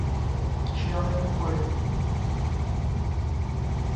সে অনেক উপরে।